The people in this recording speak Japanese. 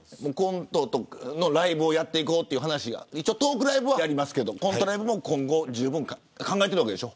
ライブをやっていこうという話がトークライブはやりますけどコントライブも考えてるわけでしょ。